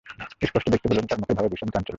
স্পষ্ট দেখতে পেলুম তাঁর মুখের ভাবে বিষম চাঞ্চল্য।